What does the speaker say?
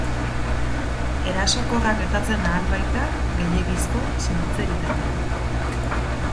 Erasokorra gertatzen ahal baita gehiegizko sintzeritatea.